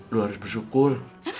lu harus bersyukur